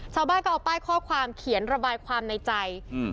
ชาวบ้านก็เอาป้ายข้อความเขียนระบายความในใจอืม